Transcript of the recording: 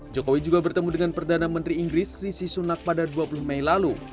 jokowi juga bertemu dengan perdana menteri inggris rishi sunak pada dua puluh mei lalu